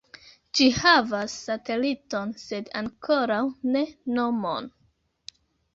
Ĝi havas sateliton sed ankoraŭ ne nomon.